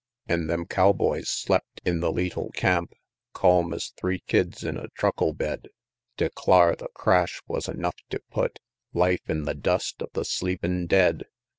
XXXV. An' them cowboys slept in the leetle camp, Calm es three kids in a truckle bed; Declar the crash wus enough tew put Life in the dust of the sleepin' dead!